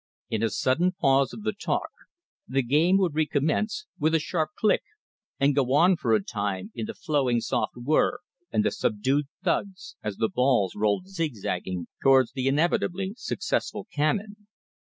In a sudden pause of the talk the game would recommence with a sharp click and go on for a time in the flowing soft whirr and the subdued thuds as the balls rolled zig zagging towards the inevitably successful cannon.